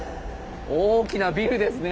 大きなビルですね。